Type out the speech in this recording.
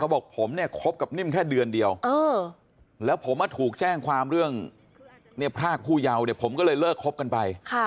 บอกผมเนี่ยคบกับนิ่มแค่เดือนเดียวแล้วผมถูกแจ้งความเรื่องเนี่ยพรากผู้เยาว์เนี่ยผมก็เลยเลิกคบกันไป